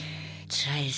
つらい。